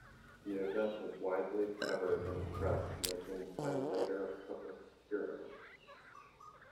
The event was widely covered in the press, making Findlater a public hero.